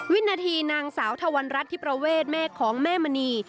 วินาทีนางสาวทวรรณรัฐที่ประเวทแม่ของแม่มณี